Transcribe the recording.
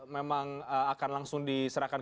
memang akan langsung diserahkan